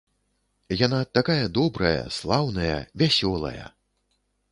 Яна такая добрая, слаўная, вясёлая!